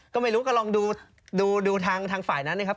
ก็ไม่รู้ก็ลองดูทางฝ่ายนั้นนะครับ